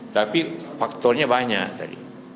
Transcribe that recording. tapi faktornya banyak tadi